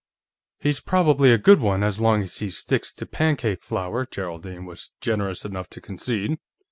_" "He's probably a good one, as long as he sticks to pancake flour," Geraldine was generous enough to concede.